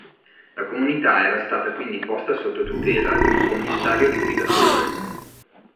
La Comunità era stata quindi posta sotto tutela di un commissario liquidatore.